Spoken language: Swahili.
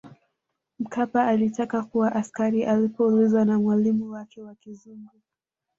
Mkapa alitaka kuwa askari Alipoulizwa na mwalimu wake wa kizungu